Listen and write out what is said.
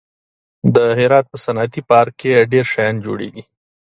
د هرات په صنعتي پارک کې ډېر شیان جوړېږي.